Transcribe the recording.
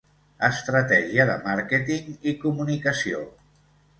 Estratègia de màrqueting i comunicació.